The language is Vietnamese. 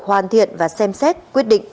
hoàn thiện và xem xét quyết định